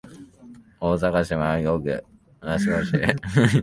大阪府枚方市